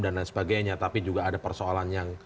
dan lain sebagainya tapi juga ada persoalan yang